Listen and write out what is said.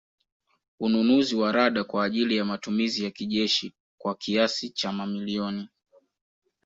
Ununuzi wa Rada kwa ajili ya matumizi ya kijeshi kwa kiasi cha mamilioni